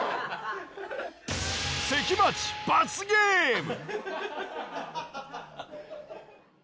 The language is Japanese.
関町罰ゲーム！